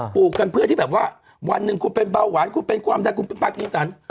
ลูกกันเพื่อที่แบบว่าวันหนึ่งคุณเป็นเบาหวานคุณเป็นความดันคุณเป็นปลากินสัน